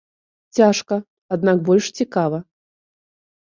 Цяжка, аднак больш цікава.